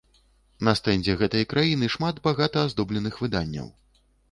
На стэндзе гэтай краіны шмат багата аздобленых выданняў.